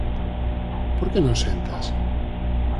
Por que non sentas?